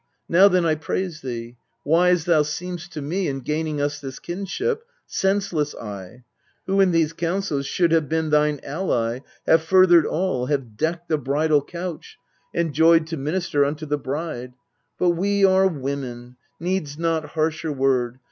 Now then I praise thee ; wise thou seem'st to me In gaining us this kinship, senseless I, Who in these counsels should have been thine ally, Have furthered all, have decked the bridal couch, And joyed to minister unto the bride. But we are women : needs not harsher word.